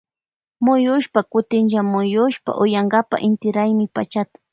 Muyushpa kutinlla muyushpa uyansanchi inti raymi pachata.